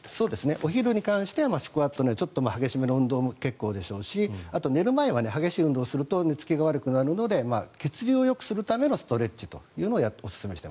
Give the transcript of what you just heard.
お昼に関してはスクワットちょっと激しめの運動も結構でしょうしあと寝る前は激しい運動をすると寝付きが悪くなるので血流をよくするためのストレッチというのをお勧めしたい。